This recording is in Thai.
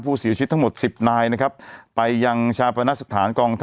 ภูศิษย์ทั้งหมดสิบนายนะครับไปยังชาประณสถานกองทับ